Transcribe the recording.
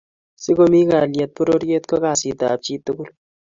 so komi kalyet pororiet ko kasit ab chi tugul